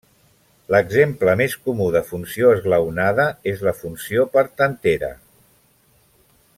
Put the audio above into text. L'exemple més comú de funció esglaonada és la funció part entera.